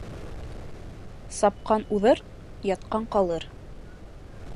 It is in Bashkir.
Сапҡан уҙыр, ятҡан ҡалыр.